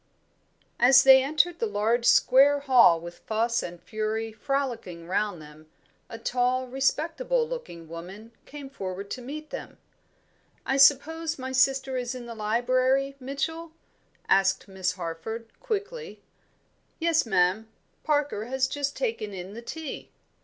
As they entered the large square hall with Fuss and Fury frolicking round them, a tall respectable looking woman came forward to meet them. "I suppose my sister is in the library, Mitchell?" asked Miss Harford, quickly. "Yes, ma'am. Parker has just taken in the tea."